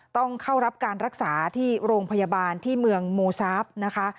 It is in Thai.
ต้องเข้ารับการรักษาที่โรงพยาบาลที่เมืองโมซาฟนะคะ